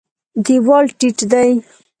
دېوال ټیټ دی.